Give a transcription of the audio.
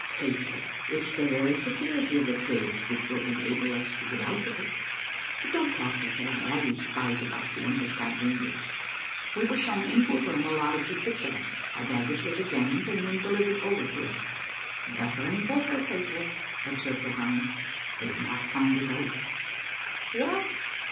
Peter, it's the very security of the place which will enable us to get out of it. But don't talk, as there are always spies about who understand English." We were shown into a room allotted to six of us; our baggage was examined, and then delivered over to us. "Better and better, Peter," observed O'Brien, "they've not found it out!" "What?"